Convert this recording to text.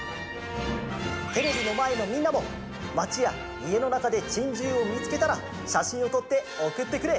テレビのまえのみんなもまちやいえのなかでチンジューをみつけたらしゃしんをとっておくってくれ！